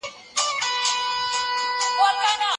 محتکرین یوازې د خپلو شخصي ګټو په فکر کي دي.